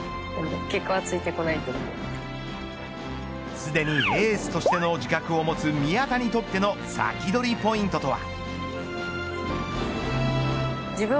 すでにエースとしての自覚を持つ宮田にとってのサキドリポイントとは。